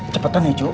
cepetan ya cu